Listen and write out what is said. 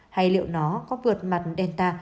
hay liệu nó có vượt mặt delta